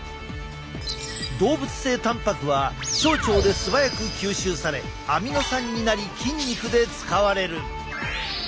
動物性たんぱくは小腸で素早く吸収されアミノ酸になり筋肉で使われる。